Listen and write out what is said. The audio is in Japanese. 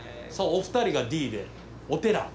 お二人が「Ｄ」でお寺。